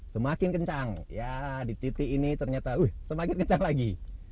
semakin kencang ya di titik ini ternyata wih semakin kencang lagi